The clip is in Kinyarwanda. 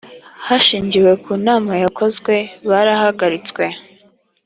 hashingiwe ku nama yakozwe barahagaritswe